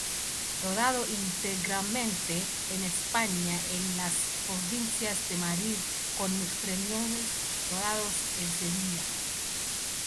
Rodado íntegramente en España en las provincias de Madrid, con exteriores rodados en Sevilla.